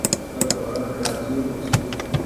کا دورہ کراچی منسوخ